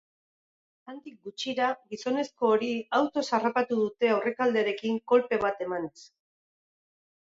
Handik gutxira, gizonezko hori autoz harrapatu dute aurrealdearekin kolpe bat emanez.